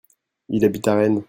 il habite à Rennes.